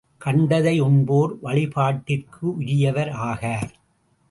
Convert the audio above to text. கண்டதை உண்போர் வழிபாட்டிற்கு உரியவர் ஆகார்.